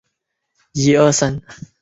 红嘴巨嘴鸟以小群或一对的生活。